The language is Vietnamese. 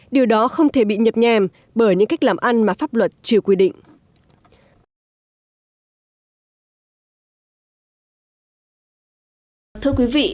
điều đó không thể bị nhập nhèm bởi những cách làm ăn mà pháp luật chưa quy định